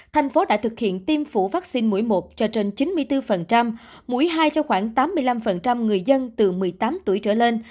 thành phố đã thực hiện tiêm phủ vaccine mũi một cho trên chín mươi bốn mũi hai cho khoảng tám mươi năm người dân từ một mươi tám tuổi trở lên